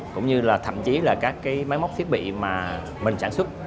cũng như thậm chí là các máy móc thiết bị mà mình sản xuất